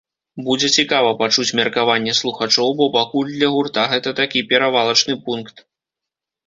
Будзе цікава пачуць меркаванне слухачоў, бо пакуль для гурта гэта такі перавалачны пункт.